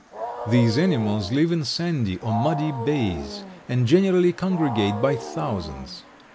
These animals live in sandy or muddy bays, and generally congregate by thousands.